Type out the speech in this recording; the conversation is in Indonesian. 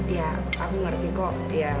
ya aku ngerti kok